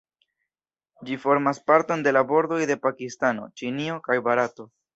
Ĝi formas parton da la bordoj de Pakistano, Ĉinio, kaj Barato.